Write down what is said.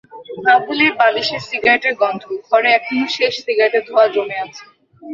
আবুলের বালিশে সিগারেটের গন্ধ, ঘরে এখনো শেষ সিগারেটের ধোঁয়া জমে আছে।